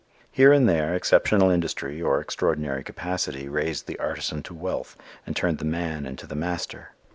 Here and there exceptional industry or extraordinary capacity raised the artisan to wealth and turned the "man" into the "master."